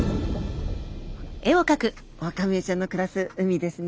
オオカミウオちゃんの暮らす海ですね。